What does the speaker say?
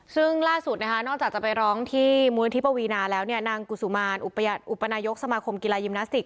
ซึ่งล่าสุดนะคะนอกจากจะไปร้องที่มูลนิธิปวีนาแล้วเนี่ยนางกุศุมารอุปนายกสมาคมกีฬายิมนาสติก